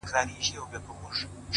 ماتيږي چي بنگړي! ستا په لمن کي جنانه!